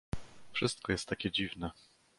"Wszystko jest takie dziwne."